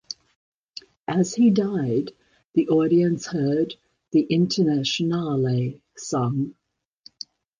As he died, the audience heard "The Internationale" sung.